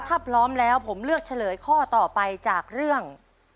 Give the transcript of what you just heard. ถ้าพร้อมแล้วผมเลือกเฉลยข้อต่อไปจากเรื่อง